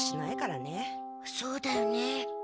そうだよね。